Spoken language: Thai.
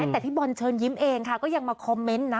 แต่พี่บอลเชิญยิ้มเองค่ะก็ยังมาคอมเมนต์นะ